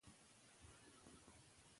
که سریښ وي نو پاڼې نه بېلیږي.